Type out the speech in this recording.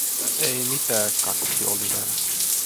“E-ei mitää…”, kakisti Oliver.